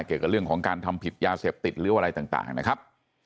เกี่ยวกับเรื่องของการทำผิดยาเสพติดหรืออะไรต่างนะครับ